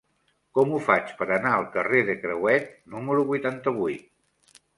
Com ho faig per anar al carrer de Crehuet número vuitanta-vuit?